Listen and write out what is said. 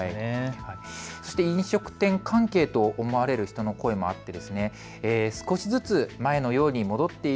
そして飲食店関係と思われる人の声もあって。